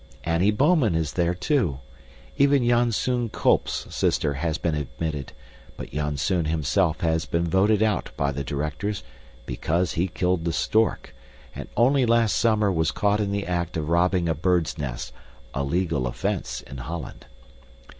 Annie Bouman is there, too. Even Janzoon Kolp's sister has been admitted, but Janzoon himself has been voted out by the directors, because he killed the stork, and only last summer was caught in the act of robbing a bird's nest, a legal offence in Holland.